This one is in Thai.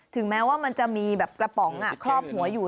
แม้ว่ามันจะมีแบบกระป๋องครอบหัวอยู่